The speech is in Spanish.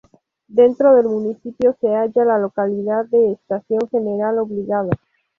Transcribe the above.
Dentro del municipio se halla la localidad de Estación General Obligado.